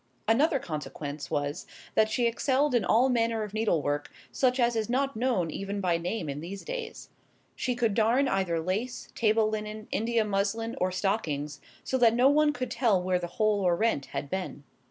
Another consequence was, that she excelled in all manner of needlework, such as is not known even by name in these days. She could darn either lace, table linen, India muslin, or stockings, so that no one could tell where the hole or rent had been.